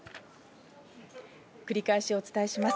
繰り返しお伝えします。